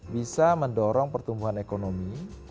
bisa mendorong pertumbuhan ekonomi